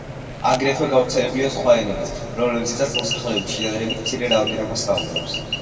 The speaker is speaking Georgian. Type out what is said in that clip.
აგრეთვე გავრცელებულია სხვა ენებიც, რომლებზედაც მოსახლეობის შედარებით მცირე რაოდენობა საუბრობს.